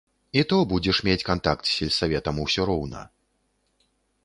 І то будзеш мець кантакт з сельсаветам усё роўна!